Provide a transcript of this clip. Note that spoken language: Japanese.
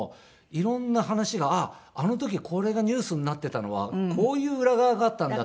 色んな話があっあの時これがニュースになっていたのはこういう裏側があったんだとか。